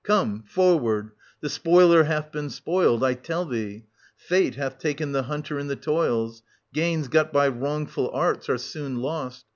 Come, — forward ! The spoiler hath been spoiled, I tell thee — Fate hath taken the hunter in the toils ; gains got by wrongful arts are soon lost.